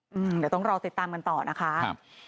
เดี๋ยวต้องรอติดตามกันต่อนะคะครับ